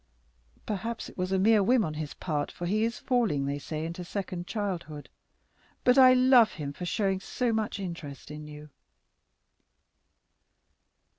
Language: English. Perhaps it was a mere whim on his part, for he is falling, they say, into second childhood, but I love him for showing so much interest in you."